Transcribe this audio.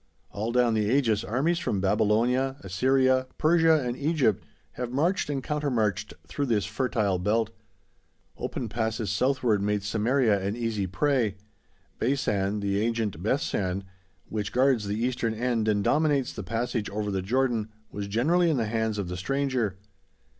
All down the ages armies from Babylonia, Assyria, Persia, and Egypt have marched and counter marched through this fertile belt. Open passes southward made Samaria an easy prey. Beisan (the ancient Bethshan), which guards the eastern end and dominates the passage over the Jordan, was generally in the hands of the stranger.